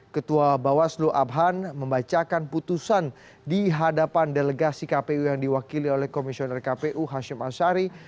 ketua bawaslu abhan membacakan putusan di hadapan delegasi kpu yang diwakili oleh komisioner kpu hashim ashari